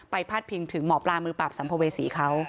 พาดพิงถึงหมอปลามือปราบสัมภเวษีเขา